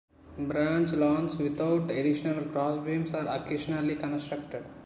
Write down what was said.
Branch pylons without additional cross beams are occasionally constructed.